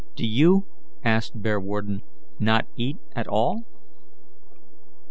"Do you," asked Bearwarden, "not eat at all?